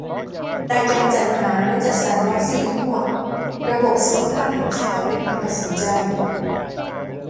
แต่การจัดหาและจัดสรรวัคซีนทั้งหมด ระบบสุขภาพแห่งชาติเป็นคนตัดสินใจ